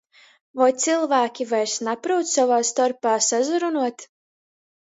Voi cylvāki vairs naprūt sovā storpā sasarunuot?